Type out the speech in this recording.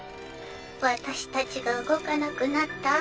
私たちが動かなくなった後。